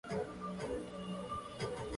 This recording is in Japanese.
焼きかまぼこ